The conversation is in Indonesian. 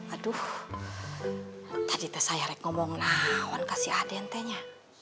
aduh tadi saya ngomong nah kasih adentenya